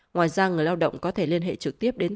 ngoài ra người lao động có thể liên hệ trực tiếp đến